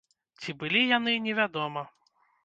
Ці былі яны, невядома.